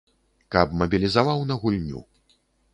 Каб мабілізаваў на гульню.